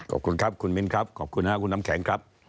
ขอบคุณครับคุณมิ้นครับขอบคุณครับคุณน้ำแข็งครับ